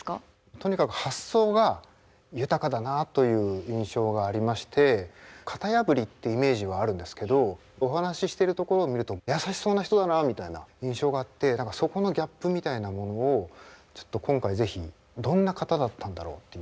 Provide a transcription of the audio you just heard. とにかく発想が豊かだなあという印象がありまして型破りってイメージはあるんですけどお話ししてるところを見ると優しそうな人だなあみたいな印象があってそこのギャップみたいなものをちょっと今回是非どんな方だったんだろうっていう。